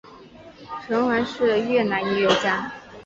陈桓是越南音乐家。